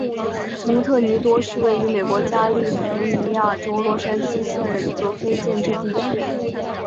蒙特尼多是位于美国加利福尼亚州洛杉矶县的一个非建制地区。